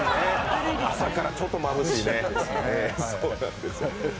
朝からちょっとまぶしいですね